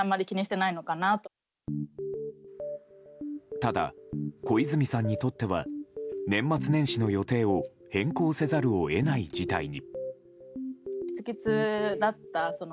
ただ、小泉さんにとっては年末年始の予定を変更せざるを得ない事態に。